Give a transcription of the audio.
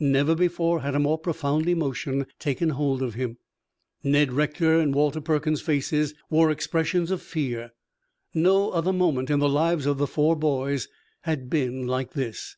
Never before had a more profound emotion taken hold of him. Ned Rector and Walter Perkins's faces wore expressions of fear. No other moment in the lives of the four boys had been like this.